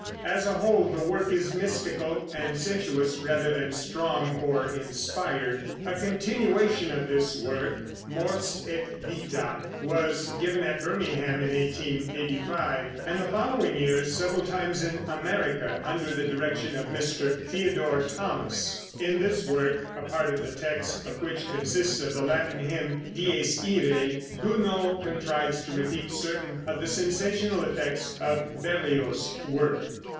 As a whole the work is mystical and sensuous, rather than strong or inspired. A continuation of this work "Mors et Vita" was given at Birmingham in 1885, and the following year several times in America, under the direction of Mr. Theodore Thomas. In this work, a part of the text of which consists of the Latin hymn "Dies Iræ," Gounod contrives to repeat certain of the sensational effects of Berlioz's work.